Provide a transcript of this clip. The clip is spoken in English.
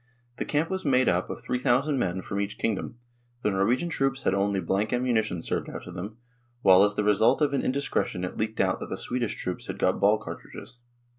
The camp was made up of 3,000 men from each kingdom ; the Norwegian troops had only blank ammunition served out to them, while as the result of an indiscretion it leaked out that the Swedish troops had got ball cartridges.